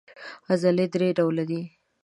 عضلې درې ډوله دي.